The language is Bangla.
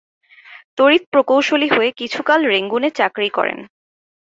তড়িৎ প্রকৌশলী হয়ে কিছুকাল রেঙ্গুনে চাকরি করেন।